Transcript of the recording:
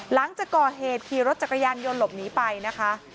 หลังจากก่อเหตุขี่รถจักรยานยนต์หลบหนีไปนะคะ